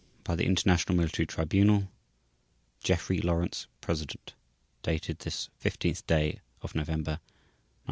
BY THE INTERNATIONAL MILITARY TRIBUNAL /s/ GEOFFREY LAWRENCE President. Dated this 15th day of November, 1945.